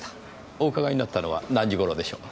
お伺いになったのは何時頃でしょう？